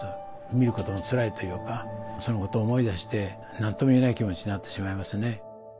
見ることもつらいというか、そのことを思い出して、なんとも言えない気持ちになってしまいますね。